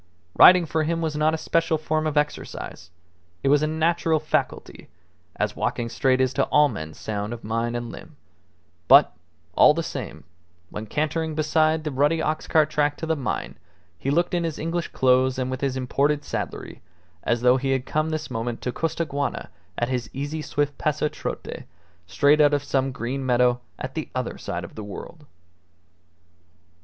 Riding for him was not a special form of exercise; it was a natural faculty, as walking straight is to all men sound of mind and limb; but, all the same, when cantering beside the rutty ox cart track to the mine he looked in his English clothes and with his imported saddlery as though he had come this moment to Costaguana at his easy swift pasotrote, straight out of some green meadow at the other side of the world.